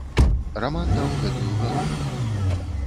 Раман даў гэтую галубку.